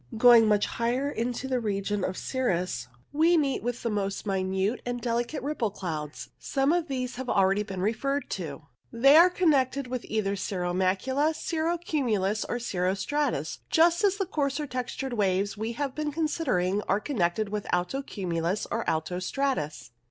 Going much higher up into the region of cirrus, we meet with the most minute and delicate ripple clouds. Some of these have already been referred to. They are connected with either cirro macula, cirro cumulus, or cirro stratus, just as the coarser textured waves we have been considering are con nected with alto cumulus or alto stratus.